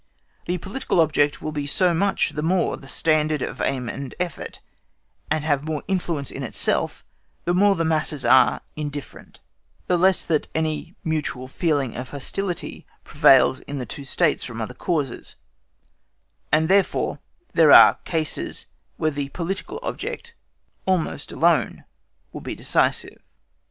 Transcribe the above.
The political object will be so much the more the standard of aim and effort, and have more influence in itself, the more the masses are indifferent, the less that any mutual feeling of hostility prevails in the two States from other causes, and therefore there are cases where the political object almost alone will be decisive.